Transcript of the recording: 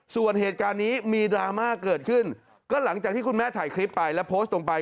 ส่วนเหตุการณ์นี้มีดราม่าเกิดขึ้นก็หลังจากที่คุณแม่ถ่ายคลิปไปแล้วโพสต์ลงไป